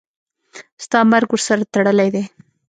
ستا مرګ ورسره تړلی دی.